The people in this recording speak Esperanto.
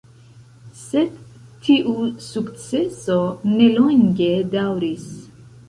Sed tiu sukceso nelonge daŭris.